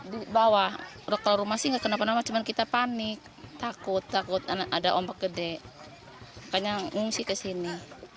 di bawah rokal rumah sih gak kena apa apa cuma kita panik takut takut ada ombak gede makanya ngungsi ke sini